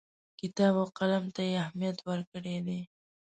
کتاب او قلم ته یې اهمیت ورکړی دی.